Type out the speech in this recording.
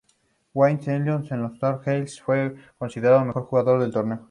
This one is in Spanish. Wayne Ellington, de los Tar Heels, fue considerado Mejor Jugador del Torneo.